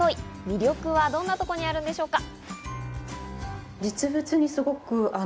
魅力はどんなところにあるんでしょうか？